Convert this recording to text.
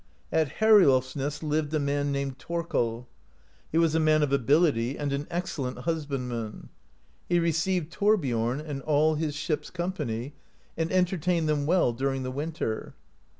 At Heriolfsness lived a man named Thorkel. He was a man of ability and an excellent husbandman. He received Thorbiom and all of his ship's company, and entertained them well during the winter.